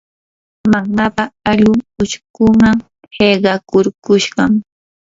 mamaapa allqun uchkuman qiqakurkushqam.